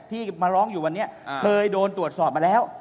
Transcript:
ที่มาร้องอยู่วันนี้เคยโดนตรวจสอบมาแล้ว